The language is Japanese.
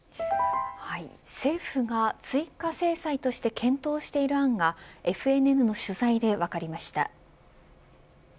政府が追加制裁として検討している案がＦＮＮの取材で分かりました。